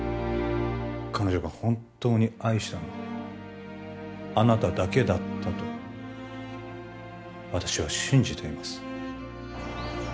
彼女が本当に愛したのはあなただけだったと私は信じています